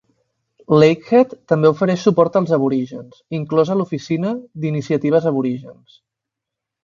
Lakehead també ofereix suport als aborígens, inclosa l'Oficina d'Iniciatives Aborígens.